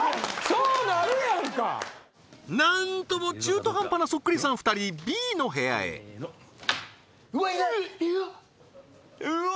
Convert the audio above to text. そうなるやんかなんとも中途半端なそっくりさん２人Ｂの部屋へうわいないうわ